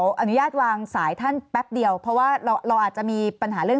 อนุญาตวางสายท่านแป๊บเดียวเพราะว่าเราอาจจะมีปัญหาเรื่อง